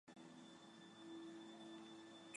窄叶火筒树为葡萄科火筒树属下的一个种。